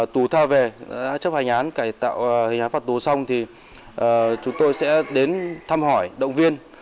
tù tha về đã chấp hành án cải tạo hình án phạt tù xong thì chúng tôi sẽ đến thăm hỏi động viên